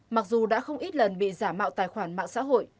mặc dù đã không ít lần bị giả mạo tài khoản mạng xã hội